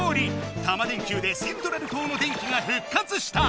タマ電Ｑでセントラル島の電気がふっかつした！